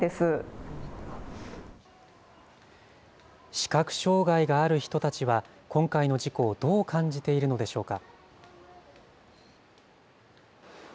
視覚障害がある人たちは、今回の事故をどう感じているのでしょうか。